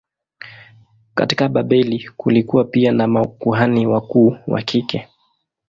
Katika Babeli kulikuwa pia na makuhani wakuu wa kike.